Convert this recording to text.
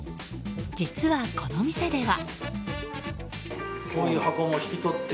実は、この店では。